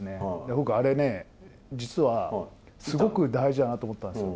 僕、あれね、実はすごく大事だなと思ったんですよ。